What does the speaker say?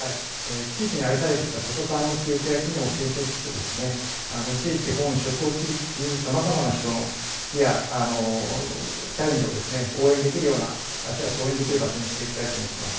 地域に愛されてきた図書館の記憶や機能を継承しつつ、地域、本、しょくを切り口にさまざまな人の好きやチャレンジを応援できるような、シェアして応援できるような場所にしていきたいと思っています。